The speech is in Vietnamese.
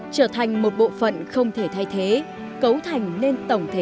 trở thành một bộ phận không thể thay thế cấu thành lên tổng thể